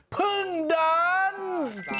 เพึ้งดานซ์